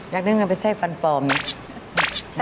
อยากได้เงินไปไส้ฟันปลอมไหม